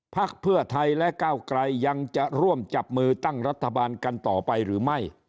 พักเพื่อไทยและก้าวไกลยังจะร่วมจับมือตั้งรัฐบาลกันต่อไปหรือไม่